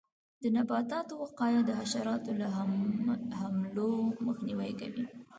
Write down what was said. د نباتاتو وقایه د حشراتو له حملو مخنیوی کوي.